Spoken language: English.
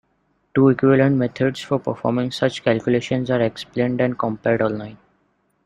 Two equivalent methods for performing such calculations are explained and compared online.